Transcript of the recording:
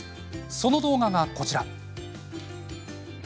その動画がこちら。